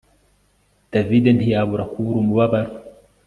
David ntiyabura kubura umubabaro